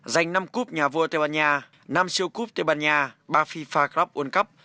giành năm cúp nhà vua tây ban nha năm siêu cúp tây ban nha ba fifa club world cup